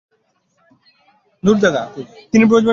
তিনি bronze medal লাভ করেন।